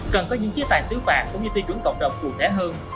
cần có những chế tài xứ phạt cũng như tiêu chuẩn cộng đồng cụ thể hơn